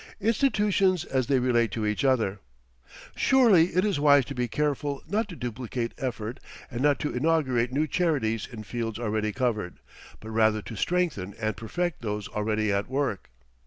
INSTITUTIONS AS THEY RELATE TO EACH OTHER Surely it is wise to be careful not to duplicate effort and not to inaugurate new charities in fields already covered, but rather to strengthen and perfect those already at work.